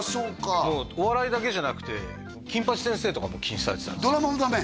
もうお笑いだけじゃなくて「金八先生」とかも禁止されてたんですドラマもダメ？